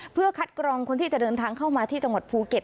เพื่อคัดกรองคนที่จะเดินทางเข้ามาที่จังหวัดภูเก็ต